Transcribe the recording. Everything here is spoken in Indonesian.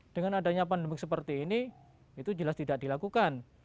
dengan adanya pandemi seperti ini itu jelas tidak dilakukan